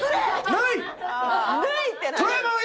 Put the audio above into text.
「ない！」